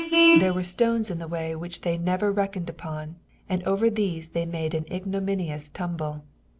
There were stones in the way which they never reckoned upon, and oyer these they made an ignominioua tumble.